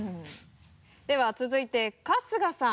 では続いて春日さん。